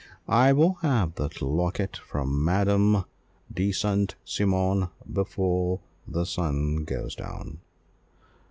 I will have that locket from Madame de St. Cymon before the sun goes down."